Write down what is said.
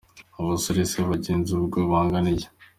Abasore se bagenda ubwo bangana iki?